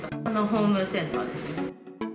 ホームセンターですね。